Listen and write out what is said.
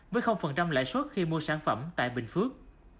với lãi suất khi mua sản phẩm tại bình phước